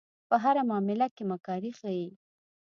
په هره معامله کې مکاري ښيي.